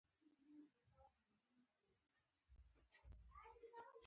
ښایي مرتضی راغلی وي.